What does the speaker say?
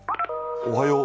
おはよう。